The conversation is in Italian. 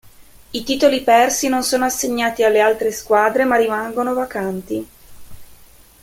I titoli persi non sono assegnati alle altre squadre ma rimangono vacanti.